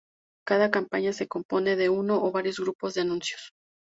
Cada campaña se compone de uno o varios grupos de anuncios.